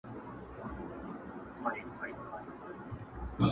پردی ولات د مړو قدر کموینه!